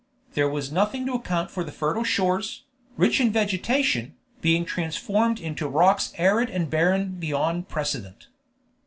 There was nothing to account for the fertile shores, rich in vegetation, being transformed into rocks arid and barren beyond precedent.